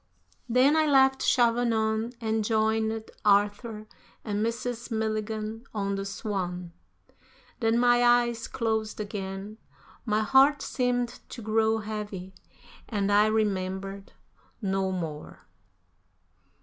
Then I left Chavanon, and joined Arthur and Mrs. Milligan on the Swan. Then my eyes closed again, my heart seemed to grow heavy, and I remembered no more.